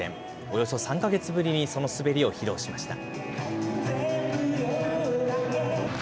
およそ３か月ぶりにその滑りを披露しました。